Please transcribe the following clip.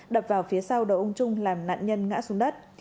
đập vào phía sau đầu ông trung làm nạn nhân ngã xuống đất